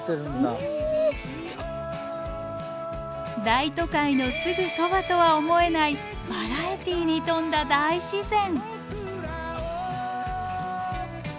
大都会のすぐそばとは思えないバラエティーに富んだ大自然！